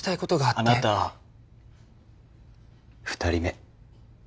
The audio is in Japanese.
あなた２人目。